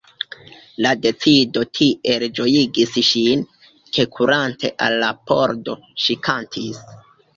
La decido tiel ĝojigis ŝin; ke kurante al la pordo, ŝi kantis: